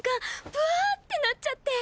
ブワーってなっちゃって。